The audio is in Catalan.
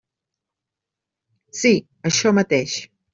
Sí, això mateix.